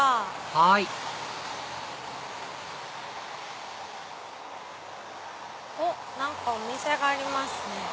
はいおっ何かお店がありますね。